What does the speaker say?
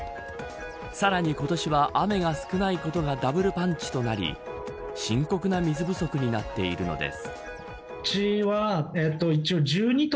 さらに、今年は雨が少ないことがダブルパンチとなり深刻な水不足になっているのです。